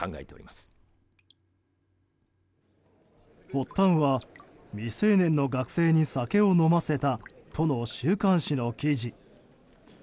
発端は未成年の学生に酒を飲ませたとの週刊誌の記事。